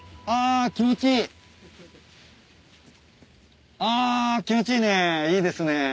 あ気持ちいいね。